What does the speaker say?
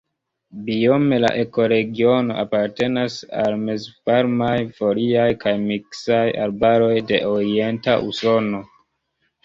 Biome la ekoregiono apartenas al mezvarmaj foliaj kaj miksaj arbaroj de Orienta Usono.